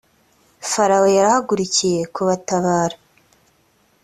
farawo yahagurukiye kubatabara.